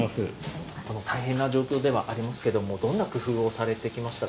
大変な状況ではありますけれども、どんな工夫をされてきましたか。